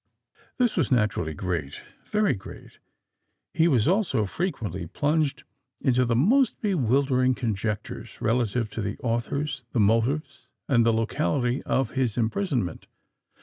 This was naturally great—very great. He was also frequently plunged in the most bewildering conjectures relative to the authors, the motives, and the locality of his imprisonment.